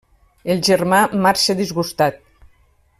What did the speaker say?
El germà marxa disgustat.